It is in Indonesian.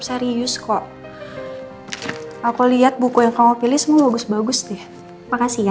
serius kok aku lihat buku yang kamu pilih semua bagus bagus deh makasih ya